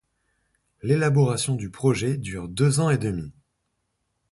L’élaboration du projet dure deux ans et demi.